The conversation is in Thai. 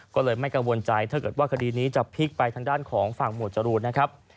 ก็เลยไม่กังวลใจถ้าเกิดว่าคดีนี้จะพลิกไปทางด้านของฝั่งหมวดจรูนนะครับ